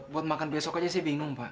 buat makan besok aja sih bingung pak